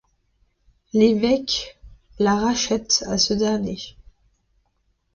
L'évêque la rachète à ce dernier.